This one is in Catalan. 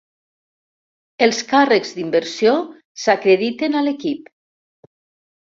Els càrrecs d'inversió s'acrediten a l'equip.